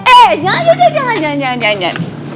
eh jangan jangan jangan